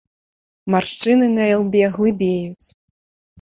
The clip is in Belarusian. Маршчыны на ілбе глыбеюць.